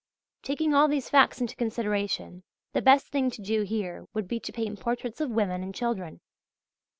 Taking all these facts into consideration the best thing to do here would be to paint portraits of women and children.